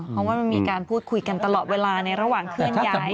เพราะว่ามันมีการพูดคุยกันตลอดเวลาในระหว่างเคลื่อนย้าย